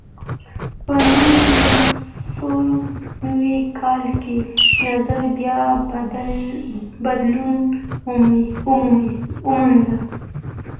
په نولس سوه نوي کال کې نظر بیا بدلون وموند.